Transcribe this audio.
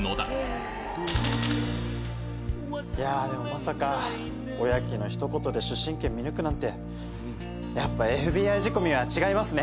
まさかおやきの一言で出身県見抜くなんてやっぱＦＢＩ仕込みは違いますね。